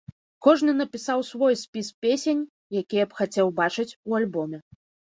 Кожны напісаў свой спіс песень, якія б хацеў бачыць у альбоме.